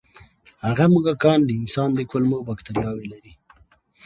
هغه موږکان د انسان د کولمو بکتریاوې لري.